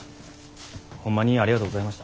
ホンマにありがとうございました。